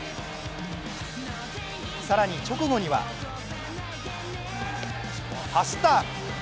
更に直後には走った！